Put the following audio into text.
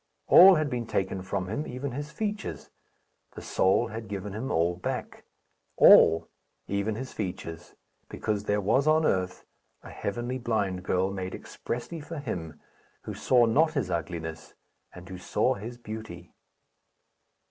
All had been taken from him, even his features. The soul had given him all back all, even his features; because there was on earth a heavenly blind girl made expressly for him, who saw not his ugliness, and who saw his beauty.